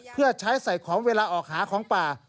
เพื่อใช้ใส่ของเวลาออกหาของป่า